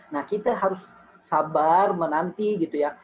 nah kita harus sabar menanti gitu ya